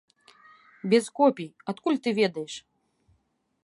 Без копій, адкуль ты ведаеш?